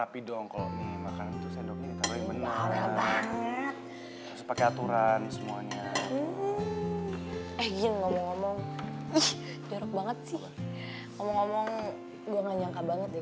parfum mahal ya